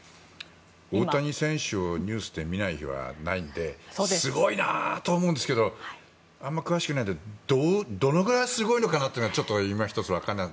大谷選手をニュースで見ない日はないのですごいなと思うんですけどあまり詳しくないのでどのくらいすごいのかなというのはちょっといま一つわからない。